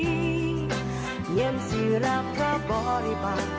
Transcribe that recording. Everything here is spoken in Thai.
เงียนสิรับข้าบริบัติ